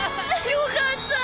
よかったぁ！